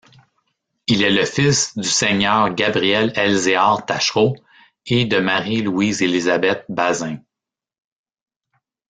Il est le fils du seigneur Gabriel-Elzéar Taschereau et de Marie-Louise-Élizabeth Bazin.